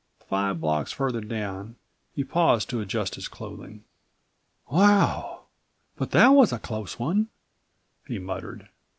Five blocks farther down he paused to adjust his clothing. "Wow! but that was a close one," he muttered.